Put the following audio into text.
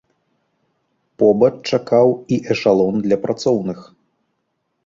Побач чакаў і эшалон для працоўных.